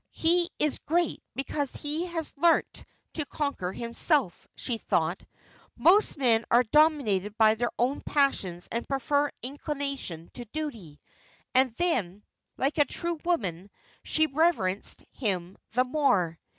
"He is great because he has learnt to conquer himself," she thought. "Most men are dominated by their own passions and prefer inclination to duty." And then, like a true woman, she reverenced him the more.